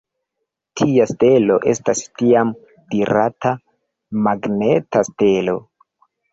Tia stelo estas tiam dirata magneta stelo.